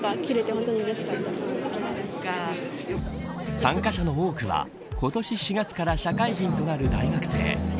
参加者の多くは今年４月から社会人となる大学生。